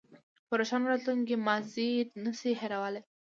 په روښانه راتلونکي کې ماضي نه شئ هېرولی.